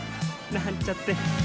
なんちゃって。